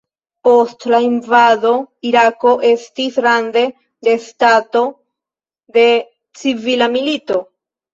Post la invado, Irako estis rande de stato de civila milito.